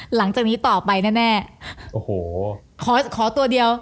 หลังจากนี้ต่อไปแน่